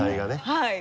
はい。